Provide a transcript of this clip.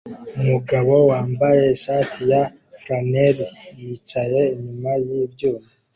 Umugabo wambaye ishati ya flannel yicaye inyuma yibyuma